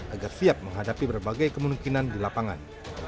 agar siap menghadapi berbagai kemungkinan di lapangan